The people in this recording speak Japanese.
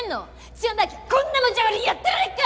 じゃなきゃこんなむちゃ振りやってられっか！